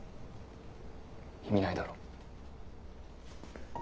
意味ないだろ。